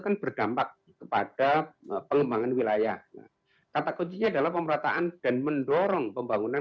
kan berdampak kepada pengembangan wilayah kata kuncinya adalah pemerataan dan mendorong pembangunan